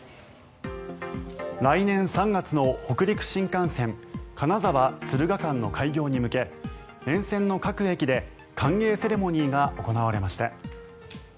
来年３月の北陸新幹線金沢敦賀間の開業に向け沿線の各駅で歓迎セレモニーが行われました。